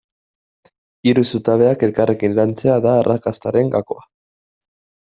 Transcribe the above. Hiru zutabeak elkarrekin lantzea da arrakastaren gakoa.